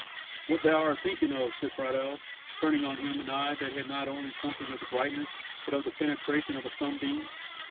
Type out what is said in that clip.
"What thou art thinking of," said Friedel, turning on him an eye that had not only something of the brightness but of the penetration of a sunbeam.